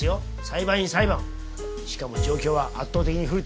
裁判員裁判！しかも状況は圧倒的に不利ときてる。